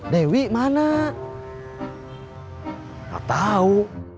dewi mana enggak tahu